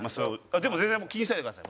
でも全然気にしないでください。